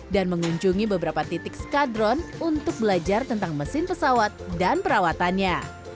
dan mengunjungi beberapa titik skadron untuk belajar tentang mesin pesawat dan perawatannya